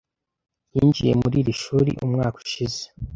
Yinjiye muri iri shuri umwaka ushize.